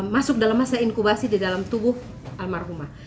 masuk dalam masa inkubasi di dalam tubuh almarhumah